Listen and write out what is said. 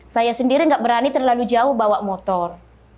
saya sendiri nggak berani terlalu jauh bawa motor